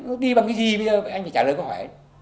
nếu anh đi bằng cái gì anh phải trả lời câu hỏi